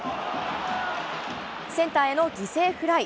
センターへの犠牲フライ。